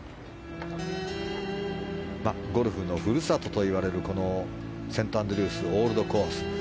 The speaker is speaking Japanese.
ゴルフの故郷といわれるこのセントアンドリュースオールドコース。